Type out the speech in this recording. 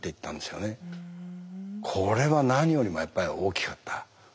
これは何よりもやっぱり大きかった。